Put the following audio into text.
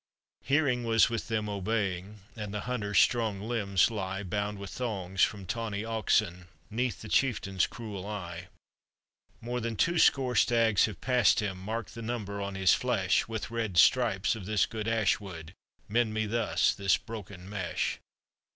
Hearing was with them obeying, And the hunter's strong limbs lie, Bound with thongs from tawny oxen, 'Neath the chieftain's cruel eye. 1 More than two score stags have passed him, Mark the number on his flesh With red stripes of this good ashwood, Mend me thus this broken mesh